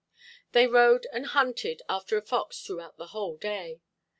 They rode and hunted after a fox throughout the whole day.